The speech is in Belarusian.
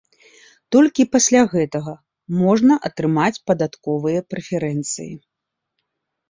Толькі пасля гэтага можна атрымаць падатковыя прэферэнцыі.